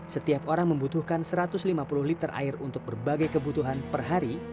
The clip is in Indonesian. setiap orang membutuhkan satu ratus lima puluh liter air untuk berbagai kebutuhan per hari